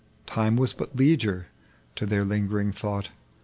Time was but leisure to their lingering thought.